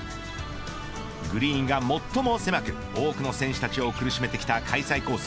グリーンが最も狭く多くの選手たちを苦しめてきた開催コース